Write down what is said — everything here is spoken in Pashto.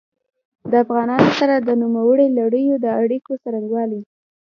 د افغانانو سره د نوموړي لړیو د اړیکو څرنګوالي.